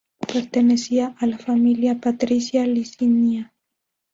Pertenecía a la familia patricia Licinia.